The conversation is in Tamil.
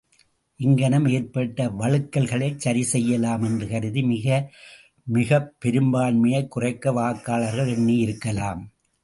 இங்ஙனம் ஏற்பட்ட வழுக்கல்களைச் சரி செய்யலாம் என்று கருதி மிக மிகப் பெரும்பான்மையைக் குறைக்க வாக்காளர்கள் எண்ணியிருக்கலாம்.